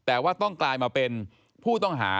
แต่ว่าต้องกลายมาเป็นผู้ต้องหา